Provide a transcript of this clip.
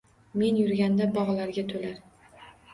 Men yurganda bog’larga to’lar